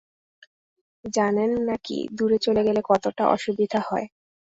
জানেন না কি, দূরে চলে গেলে কতটা অসুবিধা হয়।